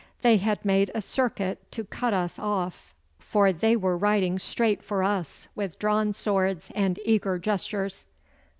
They had made a circuit to cut us off, for they were riding straight for us with drawn swords and eager gestures.